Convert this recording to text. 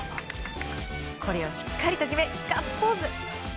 これをしっかりと決めてガッツポーズ。